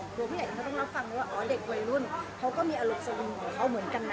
ครอบครัวผู้ใหญ่ก็ต้องรับฟังด้วยว่าเด็กวัยรุ่นเขาก็มีอรุณสมิงของเขาเหมือนกันนะ